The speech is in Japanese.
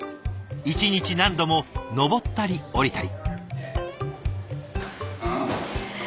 一日何度も上ったり下りたり。